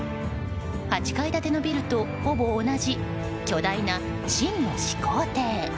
８階建てのビルとほぼ同じ巨大な秦の始皇帝。